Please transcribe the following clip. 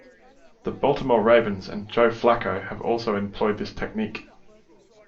The Baltimore Ravens and Joe Flacco have also employed this technique.